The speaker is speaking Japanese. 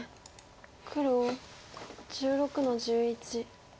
黒１６の十一。